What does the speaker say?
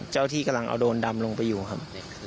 ที่กำลังเอาโดรนดำลงไปอยู่ครับ